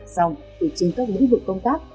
xong ở trên các lĩnh vực công tác